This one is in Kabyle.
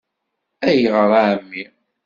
-Ayɣer a Ɛemmi?